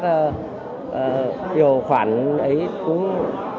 điều khoản ấy cũng